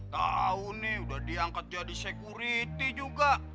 tahu nih udah diangkat jadi security juga